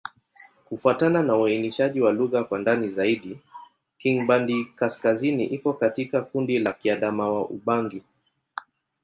Kufuatana na uainishaji wa lugha kwa ndani zaidi, Kingbandi-Kaskazini iko katika kundi la Kiadamawa-Ubangi.